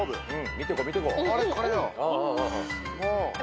見てこう見てこう。